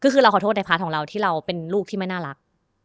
คือเราขอโทษในพาร์ทของเราที่เราเป็นลูกที่ไม่น่ารัก